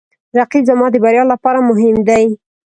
رقیب زما د بریا لپاره مهم دی